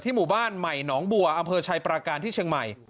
ที่หมู่บ้านไหมหนองบัวอชัยประการที่เชียงใหม่